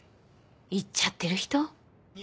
いっちゃってる人？